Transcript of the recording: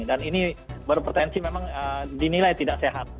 dan ini berpotensi memang dinilai tidak sehat